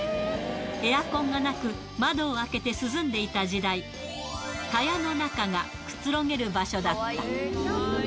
エアコンがなく、窓を開けて涼んでいた時代、蚊帳の中がくつろげる場所だった。